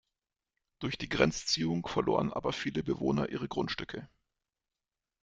Durch die Grenzziehung verloren aber viele Bewohner ihre Grundstücke.